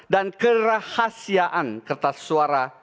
dan kerahasiaan kertas suara